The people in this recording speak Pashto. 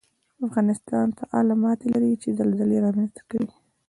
افغانستان فعاله ماتې لري چې زلزلې رامنځته کوي